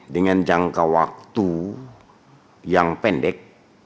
dengan jangka waktu yang pendek